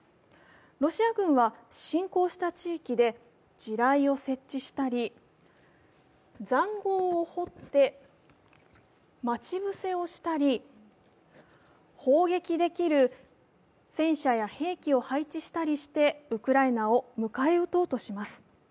ロシア軍は侵攻した地域で地雷を設置したり、ざんごうを掘って待ち伏せをしたり砲撃できる戦車や兵器を配置したりしてウクライナを迎え撃とうとします。